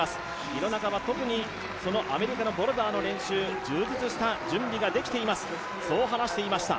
廣中は特にアメリカのボルダーの練習、充実した準備ができていますと話していました。